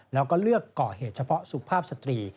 แล้วก็เลือกก่อเหตุเฉพาะสุภาพสตรี